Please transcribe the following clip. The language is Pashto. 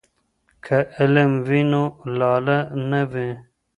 که علم وي نو لاله نه وي.